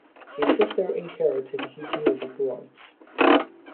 His sister inherited his music rights.